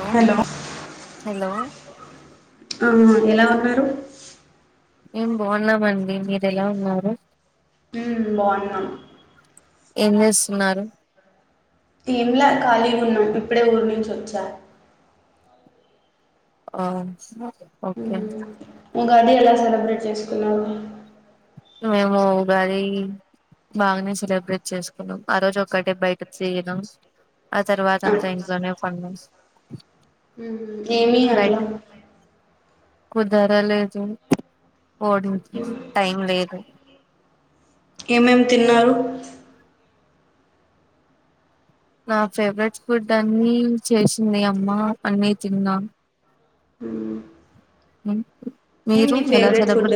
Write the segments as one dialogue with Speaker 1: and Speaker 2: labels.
Speaker 1: Hello hello
Speaker 2: ఆ ఎలా ఉన్నారు
Speaker 1: మేం బాగున్నామండి మీరు ఎలా ఉన్నారు
Speaker 2: ఉమ్, బాగున్నాం
Speaker 1: ఏం చేస్తున్నారు
Speaker 2: ఏంలా ఖాళీగా ఉన్నాం, ఇప్పుడే ఊరి నుంచి వచ్చా.
Speaker 1: ఆ ఓకే
Speaker 2: ఉ ఉరికే అలా సెలబ్రేట్ చేసుకున్నాము
Speaker 1: మేము ఉగాది బాగనే సెలబ్రేట్ చేసుకున్నాం. ఆ రోజు ఒక్కటే బయట చేయడం. ఆ తర్వాత అంతా ఇంట్లో నే అన్నమ్స్
Speaker 2: ఉహు ఏమి అట్లా
Speaker 1: కుదర లేదు ఓడినికి టైం లేదు.
Speaker 2: ఏమేమి తిన్నారు.
Speaker 1: నా ఫేవరెట్ ఫుడ్ అన్ని చేసింది అమ్మా అన్నీ తిన్నా
Speaker 2: ఉమ్,
Speaker 1: హ్మ్
Speaker 2: ఏం ని ఫేవరెట్ ఫుడ్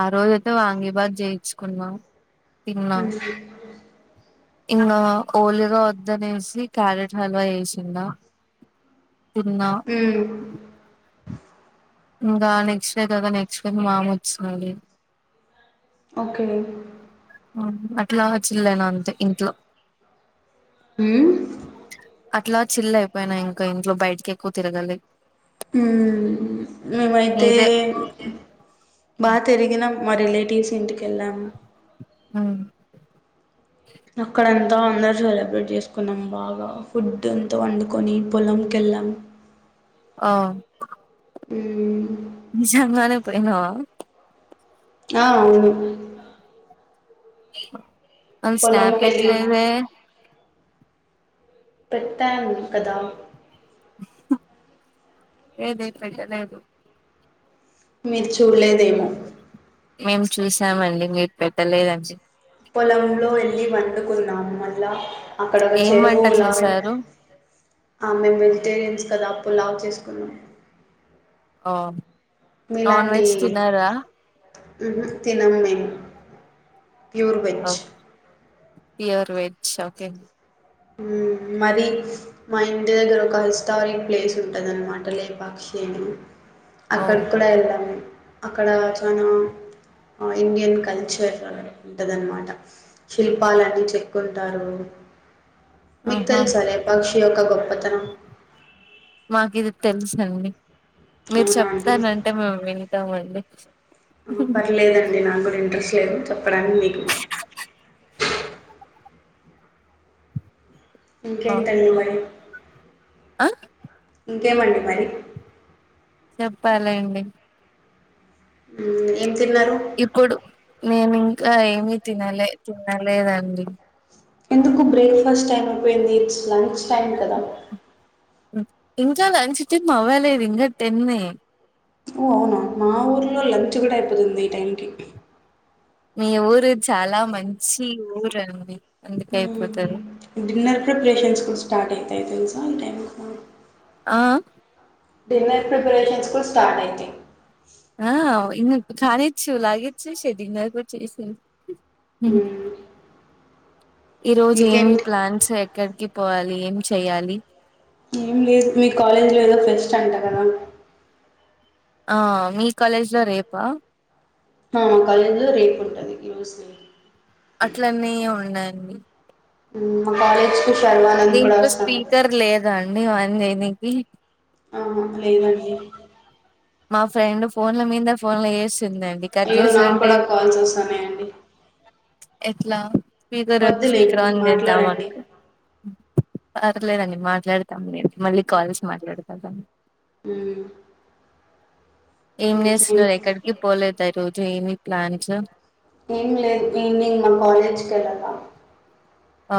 Speaker 1: ఆ రోజు అయితే వాంగిబాద్ చేయించుకున్నాం. తిన్నాన్
Speaker 2: ఉమ్,
Speaker 1: ఇంకా ఓలిగ వద్దనేసి క్యారెట్ హల్వా చేసిందా. ఉన్నా
Speaker 2: ఉమ్,
Speaker 1: ఇంకా నెక్స్ట్ డే కదా నెక్స్ట్ డే మామ వచ్చినాడు
Speaker 2: ఓకే
Speaker 1: అట్లా చెల్లేను అంతే ఇంట్లో
Speaker 2: హ్మ్
Speaker 1: అట్లా చిల్ అయిపోయినా ఇంకా ఇంట్లో బయటకి ఎక్కువ తిరగన్
Speaker 2: హ్మ్ మేమైతే
Speaker 1: మీరే
Speaker 2: బాగ తిరిగినాం రిలేటివ్ రీసెంట్కి వెళ్ళం
Speaker 1: ఆ
Speaker 2: అక్కడంతా అందరు సెలబ్రేట్ చేసుకున్నాం. బాగా ఫుడ్ ఎంతో వండుకొని పొలంకెళ్ళాం.
Speaker 1: ఆ
Speaker 2: ఉమ్
Speaker 1: నిజంగానే పాయినవ
Speaker 2: ఆ అవును
Speaker 1: అ స్నాప్
Speaker 2: పొలంకెళ్ళి
Speaker 1: పెట్లేదే
Speaker 2: పెట్టాను కదా
Speaker 1: ఏదిప్పైట లేదు
Speaker 2: మీరు చూడలేదేమో
Speaker 1: మేము చూసామండి మీరు పెట్టలేదని చెప్
Speaker 2: పొలంలో వెళ్ళి వండుకున్నాము మళ్ళా అక్కడ ఒక
Speaker 1: ఏం వంట
Speaker 2: చెరువులా
Speaker 1: చేశారు
Speaker 2: ఆ మేము వెజిటేరియన్స్ కదా పులావ్ చేసుకున్నా
Speaker 1: ఆం
Speaker 2: మీలాంటి ఉహూ తినం మేము pure veg
Speaker 1: pure veg shocking
Speaker 2: ఊ మరి మా ఇంటి దగ్గర ఒక హిస్టారిక్ ప్లేస్ ఉంటుది అన్నమాట లేపాక్షి అని
Speaker 1: ఓ
Speaker 2: అక్కడి కూడా వెళ్తాము అక్కడ చాలా ఆ ఇండియన్ కల్చర్ ఉంటదన్న మాట శిల్పాలన్నీ చెక్కుంటారు మీకు
Speaker 1: ఆహా
Speaker 2: తెలుసా లేపాక్ష్ ఇదొక గొప్పతనం
Speaker 1: నాకు ఇది తెలుసండి మీరు
Speaker 2: అవునా అండి
Speaker 1: చెప్తానంటే మేము వింటామండి
Speaker 2: ఆ, పర్లేదండి నాకు [inaudible] చెప్పడానికి మీకు ఇంకేంటండి మరి
Speaker 1: అహ్
Speaker 2: ఇంకేమండి మరి
Speaker 1: చెప్పాలండి
Speaker 2: హుం ఏం చే
Speaker 1: ఇప్పుడు నేను ఇంకా ఏమీ తినలే తినలేదండి
Speaker 2: ఎందుకు బ్రేక్ఫాస్ట్ టైమ్ లో పోయింది ఇట్స్ లంచ్ టైమ్ కదా
Speaker 1: ఇంకా లంచ్ టైమ్ అవ్వలేదు ఇంకా టెన్నే
Speaker 2: ఓ అవునా థ్యాంక్ యూ
Speaker 1: మీ ఊరు చాలా మంచి ఊరండి
Speaker 2: హుమ్ డిన్నర్ ప్రిపరేషన్స్ కూడ్ స్టార్ట్ అయితాయి తెలుసా ఈ టైమ్ కు
Speaker 1: ఆ
Speaker 2: డిన్నర్ ప్రిపరేషన్స్ కూడ్ స్టార్ట్ అయితాయి
Speaker 1: ఆ ఇ కానిచ్చు లాగేచ్చు డిన్నర్ కూడా చేసేయి హుహు ఈ రోజు ఏమి
Speaker 2: ఇంకేంటి
Speaker 1: ప్లాన్స్ ఎక్కడికి పోవాలి ఏం చెయ్యాలి.
Speaker 2: ఏం లేదు మీ కాలేజ్లో ఏదో ఫెస్ట్ అంట కదా
Speaker 1: ఆ మీ కాలేజ్ లో రేపా
Speaker 2: ఆ కాలేజ్ లో రేపు ఉంటది ఈ రోజు లేదు
Speaker 1: అట్లనే ఉన్నాయి. ఉన్నాయ్
Speaker 2: హు కాలేజ్ శర్వానంద్ కూడా
Speaker 1: దీంట్లో
Speaker 2: వస్తన్నాడు
Speaker 1: స్పీకర్ [unintelligible]
Speaker 2: ఆ అ లెవ్ అండి
Speaker 1: మా ఫ్రెండ్ ఫోన్ల మీద ఫోన్ లో వేస్త
Speaker 2: అయ్యో నాకు కూడా కాల్ వస్తాన్నాయి అండి
Speaker 1: ఎట్లా స్పీకర్ పెట్టీ స్పీకర్ ఆన్ చేద్దాం
Speaker 2: మాట్లాడండి
Speaker 1: అనకు పర్లేదండి మాట్లాడతంలేండి మళ్ళీ కాల్స్ మాట్లాడతదను
Speaker 2: మ్మ్
Speaker 1: ఏం
Speaker 2: ఇంకేం
Speaker 1: చేస్తున్నారు ఎక్కడికి పోలేదా ఈ రోజూ ఈవినింగ్ ప్లాన్స్
Speaker 2: ఏం లేదు ఈనింగ్ మా కాలేజ్కి వెళ్ళలా
Speaker 1: ఆ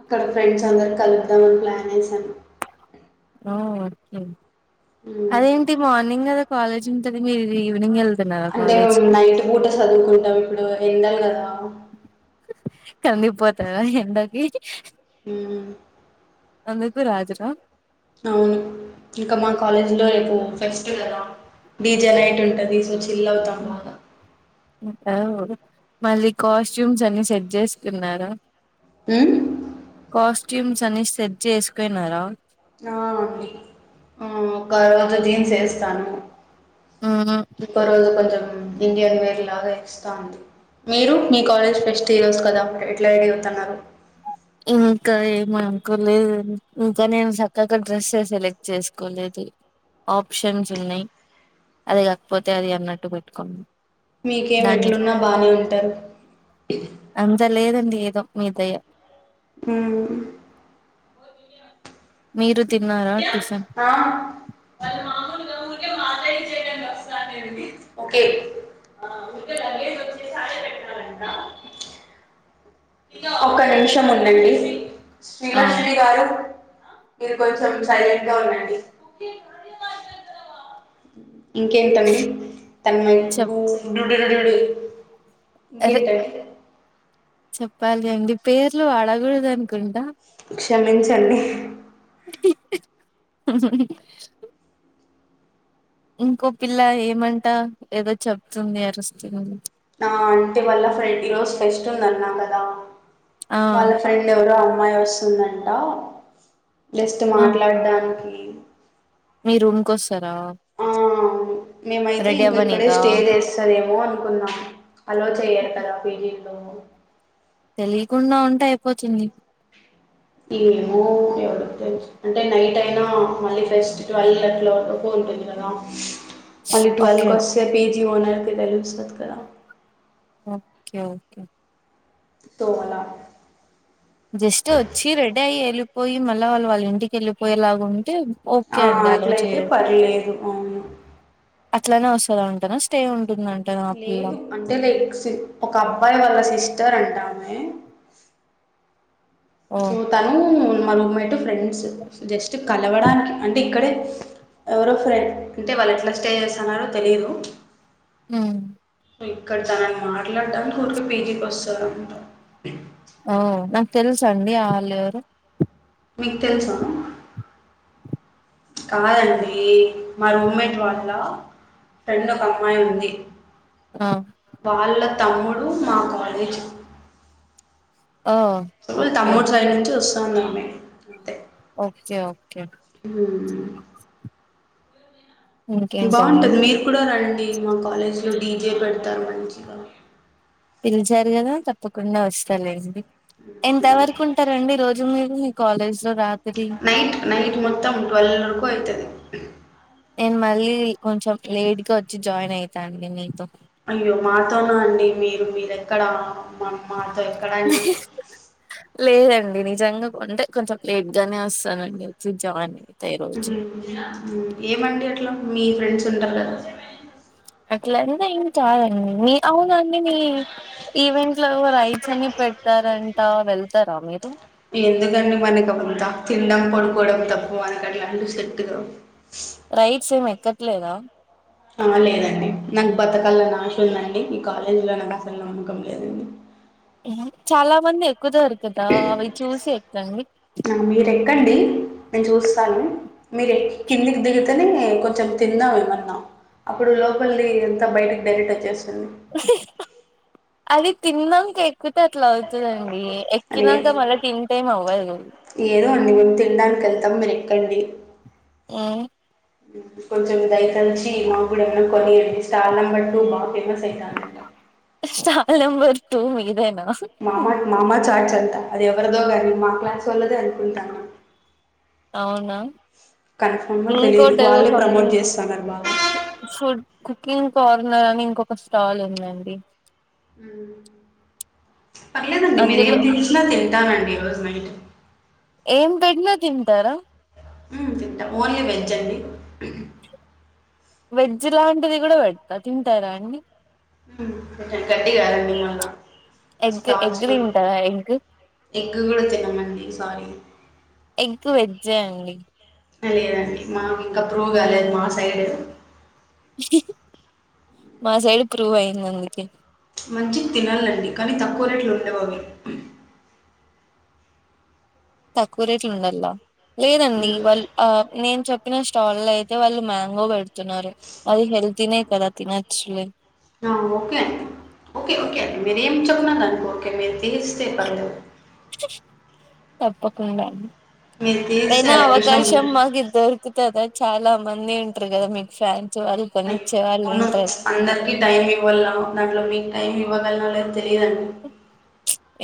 Speaker 2: అక్కడ ఫ్రెండ్స్ అందరు కలుపుదాంని ప్లాన్ వేశాం.
Speaker 1: ఆ ఓకే
Speaker 2: మ్మ్.
Speaker 1: అదేంటి మార్నింగ్ గద కాలేజ్ ఉంటది మీరు ఈవినింగ్ వెళ్
Speaker 2: అంటే మేము నైట్ బూట చదువుకుంటాం ఇప్పుడు ఎండలు కదా
Speaker 1: కంది పోతారా ఎండకి ఈజీ
Speaker 2: హు
Speaker 1: అందకు రాజరా
Speaker 2: అవును ఇంకా మా కాలేజ్ లో రేపు పెస్ట్ కదా డీజే నైట్ ఉంటది సో చిల్ అవుతాం బాగా
Speaker 1: అవు మళ్ళీ కాస్ట్యూమ్స్ అని సెట్ చేసుకున్నారా
Speaker 2: హమ్
Speaker 1: కాస్ట్యూమ్స్ అన్ని సెట్ చేసుకునారా
Speaker 2: ఆ ఒక రోజు జీన్స్ వేస్తాను
Speaker 1: మ్మ్
Speaker 2: ఇంకో రోజు కొంచెం ఇండియన్ వేర్ లాగా ఎస్తా మీరు మీ కాలేజ్ ఫెస్ట్ హరోల్స్ కదా ఎట్లా రెడీ అవుతున్నారు
Speaker 1: ఇంకా ఏమనుకోలేదు ఇంకా నేను చక్కగా డ్రెస్సె సెలెక్ట్ చేసుకోలేదు ఆప్షన్స్ ఉన్నాయి అద కాకపోతే అది అన్నట్టు పెట్టుకున్నా
Speaker 2: మీకేం
Speaker 1: దాన్ని
Speaker 2: ఎట్లున్నా బానే ఉంటారు
Speaker 1: ఎదో మీదయ
Speaker 2: హమ్
Speaker 1: మీరు తిన్నారా టిఫిన్
Speaker 2: హా ఒకే ఒక నిమిషం ఉండండి
Speaker 1: ఆ
Speaker 2: శ్రీలక్ష్మి గారు మీరు కొంచెం సైలెంట్ గా ఉండండి ఇంకేంటండి తన
Speaker 1: చెప్
Speaker 2: పండి
Speaker 1: అరే
Speaker 2: ఇంకేంటే
Speaker 1: చెప్పాలి అండి పేర్లు వాడగుడ్దు అనుకుంట
Speaker 2: క్షమించండి
Speaker 1: అ ఇంకో పిల్ల ఏమంటా ఏదో చెప్తుంది అరుస్తుంది
Speaker 2: ఆ అంటే వల్ల ఫ్రెండ్ ఈ రోజు ఫెస్ట్ ఉందన్నా కద
Speaker 1: ఆ
Speaker 2: వాళ్ళ ఫ్రెండ్ ఎవరో అమ్మాయి వస్తే వస్తుందంట జస్ట్
Speaker 1: ఆ
Speaker 2: మాట్లాడ్డానికి హమ్
Speaker 1: మీ రూమ్ కోసం శరా
Speaker 2: మేమైతే ఇంక ఇక్కడే స్టే చేస్తారేమో అ అనుకుం అలో చెయరు కదా పీజీ లో
Speaker 1: తెలియకుండా ఉంటే అయిపోతుంది
Speaker 2: ఏమో ఎవరికి తెలుసు అంటే నైట్ అయినా మళ్ళీ ఫెస్ట్ ట్వెల్వ్ అట్ల వకు ఉంటది కదా మళ్ళీ ట్వెల్వ్
Speaker 1: ఓకే
Speaker 2: కి వస్తే పీజీ. జి ఓనర్కి తెలుస్తది కద
Speaker 1: ఒకే ఒకే
Speaker 2: తోల
Speaker 1: జస్ట్ వచ్చి రెడీ అయ్యి వెళ్ళిపోయి మళ్ళీ వాళ్ళు వాళ్ళ ఇంటికి వెళ్ళిపోయేలాగా ఉంటే ఓకే
Speaker 2: ఆహ్
Speaker 1: అండి అలో
Speaker 2: అట్లయితే
Speaker 1: చేయ
Speaker 2: పర్లేదు అవును.
Speaker 1: అట్లానే వస్తదంటనా స్టే ఉంట్.
Speaker 2: లేదు అంటే లైక్ ఒక అబ్బాయి వాళ్ల సిస్. సిస్టర్ అంట ఆమె.
Speaker 1: ఓ
Speaker 2: సో తను. మా రూమ్మెటు ఫ్రెండ్స్ జస్ట్ కలవడానికి అంటే ఇక్కడే ఎవరో ఫ్రెండ్ అంటే వాళ్ళు ఎట్లా స్టే చేస్తాన్నారో తెలిదు.
Speaker 1: ఉమ్.
Speaker 2: ఇక్కడ తనని మాట్లాడడాని కోరకు పీజీకి వస్తాదంటా.
Speaker 1: ఆఓ నాకు తెల్స అండి ఆలు ఎవరో.
Speaker 2: మీకు తెలుసా కాదండి. మా రూమ్మేట్ వాళ్ళ ఫ్రెండ్ ఒక అమ్మాయి ఉంది.
Speaker 1: ఆ
Speaker 2: వాళ్ళు. తమ్ముడు మా కాలేజ్.
Speaker 1: ఓ
Speaker 2: ఓలు
Speaker 1: ఓకే
Speaker 2: తమ్ముడు సైడ్ నుంచి వస్తు. సోదమే అంతే.
Speaker 1: Okay okay.
Speaker 2: ఉమ్
Speaker 1: ఇంకేంటండి
Speaker 2: బాగుంటది మీరు కూడా రన్. మా కాలేజ్లో డీజే పెడతారు మంచిగా.
Speaker 1: పిలిచారు కదా తప్పకుండా వస్తలేండి. ఎంత వరకు ఉంటారండి ఈ రోజు. మీరు మీ కాలేజ్. లో రాత్రి
Speaker 2: నైట్ నైట్ మొత్తం ట్వాల్ వరకు అయితది. ఉమ్
Speaker 1: నేను మళ్ళీ కొంచెం లేట్గా వచ్చి జాయిన్ అయితాండి నీతో.
Speaker 2: అయ్యో మాతోనా అండి మీరు మీరెక్కడా.
Speaker 1: లేదండి నిజంగా. అంటే కొంచెం లేట్ గానే వస్తానండి వచ్చి జాని.
Speaker 2: ఏమండి అట్లా. మీ ఫ్రెండ్స్ ఉంటారు కదా.
Speaker 1: అట్లా అని ఏం కాదండి మీ అవునండి మీ ఈవెంట్ లో రైడ్స్ అని పెడతారంటా వెళ్తారా మీరు.
Speaker 2: ఎందుకండి మనకవంతా తినడం పడుకోవడం తప్పు మనకు అట్లాంటివి సెట్ కావు.
Speaker 1: రైట్స్ ఏం ఎక్కట్లేదా.
Speaker 2: ఆహ్ లేదండి. నాకు బతకాలని ఆశ ఉందండి. ఈ కాలేజీ లో నాకు అసలు నమ్మకం లేదండి.
Speaker 1: చాలా మంది ఎక్.
Speaker 2: ఆహ్ మీరు ఎక్కండి నేను చూస్తాను. మీరు ఎక్ కిందికి దిగితేనే. కొంచెం తిందాం ఏమన్నా అప్పుడు లోపల్ది అంత బయటకి డైరెక్ట్ వచ్చేస్.
Speaker 1: అది తిన్న. ఎక్కితే అట్లా అవుతదని.
Speaker 2: లే
Speaker 1: ఎక్కినంక మల్ల తింటే‌ ఏం అవ్వదు.
Speaker 2: కెళ్తాం మీరెక్కండి
Speaker 1: హ్మ్
Speaker 2: కొంచం దై దంచీ మాగూడా ఏమైనా కొనియాంది స్టాల్ నంబర్ టూ బాగా ఫేమస్ అయితాందంట
Speaker 1: స్టాల్ నంబర్ టూ ఇదేనా
Speaker 2: మామా మామా చార్ట్ చ అది ఎవరిదో గానీ మా క్లాస్ వాళ్ళదే అనుకుంటాన
Speaker 1: అవునా?
Speaker 2: కన్ఫమ్ గా తెలీదు
Speaker 1: ఇంకోటేదో
Speaker 2: వాళ్ళే ప్రమోట్
Speaker 1: సంథింగ్
Speaker 2: చేస్తన్నారు బాగా
Speaker 1: ఫుడ్ కుకింగ్ కార్నర్ అని ఇంకొక స్టాల్ ఉందండి
Speaker 2: పర్లేదండి మీరేం
Speaker 1: అందులో
Speaker 2: తెచ్చినా తింటానండి ఈరోజ్ వెయిట్
Speaker 1: ఏం పెట్న తింటార
Speaker 2: హ్మ్ తింటం వోన్లీ వెజ్ అండి అ [unintelligible]
Speaker 1: వెజ్ లాంటిది కూడా పెడతా తింటారా అండి
Speaker 2: హ్మ్ తింటలే గడ్డిగాదండి మళ్ళా ఆ
Speaker 1: ఎగ్ ఎగ్
Speaker 2: స్టాల్స్ లో
Speaker 1: తింటారా ఎగ్
Speaker 2: ఎగ్ కూడా తినమండి సారీ
Speaker 1: ఎగ్ వెజ్ ఎ అండి
Speaker 2: లేదండి మాకు ఇంకా ప్రూవ్ కాలేదు మా సైడ్
Speaker 1: మా సైడ్ ప్రూవ్ అయింది అందుకే
Speaker 2: మంచి తినాలండి కానీ తక్కువ రేట్లు ఉండవవి
Speaker 1: తక్కువ రేట్లు ఉండల్లా లేదండి
Speaker 2: హ్మ్.
Speaker 1: వాళ్ ఆ నేను చెప్పిన స్టాల్ లో అయితే వాళ్ళు మ్యాంగో పెడు తున్నారు అది హెల్త్ తినే కదా తినచ్చులే
Speaker 2: ఆ ఓకే అండి ఓకే ఓకే అండి మీరేం చెప్పిన దానికి ఓకే మీరు న్యూస్ పేపర్లో
Speaker 1: తప్పకుండా అయినా
Speaker 2: అదే విషయం
Speaker 1: అవకాశం మాకి దొరుకుతదా చాలా మంది ఉంట్రు కదా మీకు ఫ్యాన్
Speaker 2: అందరికి టైం ఇవ్వాల దాంట్లో మీకు టైం ఇవ్వ [unintelligible] లేదు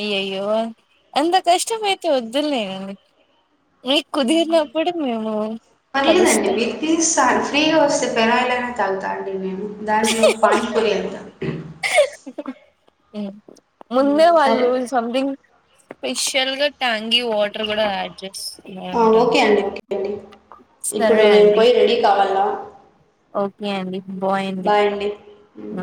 Speaker 1: అయ్యాయో అంతా కష్ట మైతే వద్దులెండి
Speaker 2: పర్లేదండి
Speaker 1: కలుస్తాం
Speaker 2: మీరు ప్లీజ సార్ ఫ్రీగా పెనాయిల్. తగగుతాండిను దాంట్లో పాణిపూరి ఎంత
Speaker 1: ఉ
Speaker 2: హ్మ్.
Speaker 1: ముందే
Speaker 2: సరే.
Speaker 1: వాళ్ళు సంథింగ్ స్పెష్యల్ గట్టా అంగ వాటర్ కూడా అడ్జస్ట్
Speaker 2: ఆ!
Speaker 1: బాగుంటాం
Speaker 2: ఓకే అండి. ఓకే అండి. ఇప్పుడు
Speaker 1: సరే
Speaker 2: నేను
Speaker 1: అండి
Speaker 2: పోయి రెడీ కావాలా?
Speaker 1: ఓకే అండి బాయిడి
Speaker 2: బాయ్ అండి. హ్మ్.